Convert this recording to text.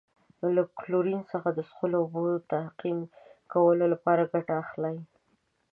له کلورین څخه د څښلو اوبو تعقیم کولو لپاره ګټه اخلي.